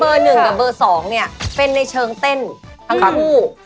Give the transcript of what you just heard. ๑กับเบอร์๒เนี่ยเป็นในเชิงเต้นทั้งคู่